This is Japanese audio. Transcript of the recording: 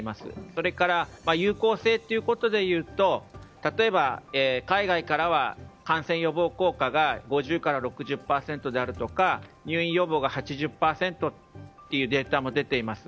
それから有効性ということでいうと例えば、海外からは感染予防効果が５０％から６０％であるとか入院予防が８０％というデータも出ています。